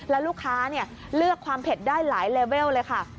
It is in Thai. แล้วลูกค้าเลือกความเผ็ดได้หลายเลเวลเลยค่ะ